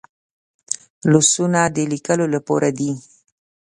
لاسونه د لیکلو لپاره دي